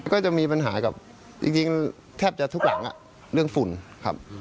ก็จะมีปัญหากับจริงแทบจะทุกหลังเรื่องฝุ่นครับ